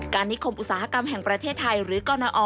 นิคมอุตสาหกรรมแห่งประเทศไทยหรือกรณอ